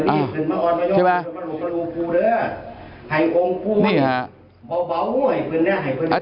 อ้าวใช่มะ